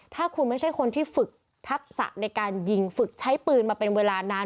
ถ้าคุณไม่ใช่คนที่ฝึกทักษะในการยิงฝึกใช้ปืนมาเป็นเวลานาน